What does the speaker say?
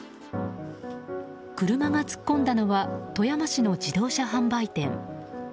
車が突っ込んだのは富山市の自動車販売店。